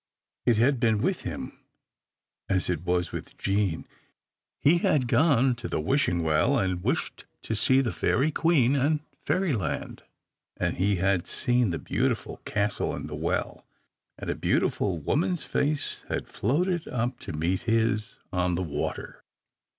It had been with him as it was with Jean He had gone to the Wishing Well, and wished to see the Fairy Queen and Fairyland. And he had seen the beautiful castle in the well, and a beautiful woman's face had floated up to meet his on the water.